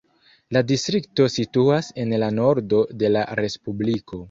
La distrikto situas en la nordo de la respubliko.